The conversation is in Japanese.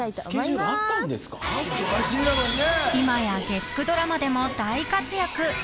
［今や月９ドラマでも大活躍］